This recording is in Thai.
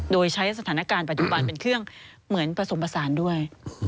โดยใช้สถานการณ์ปัจจุบันเป็นเครื่องเหมือนผสมผสานด้วย